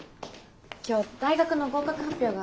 今日大学の合格発表があって。